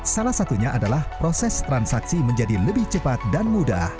salah satunya adalah proses transaksi menjadi lebih cepat dan mudah